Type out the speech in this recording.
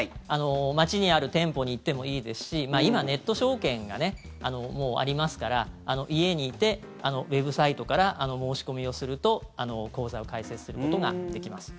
街にある店舗に行ってもいいですし今、ネット証券がありますから家にいてウェブサイトから申し込みをすると口座を開設することができます。